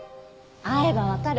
会えばわかる。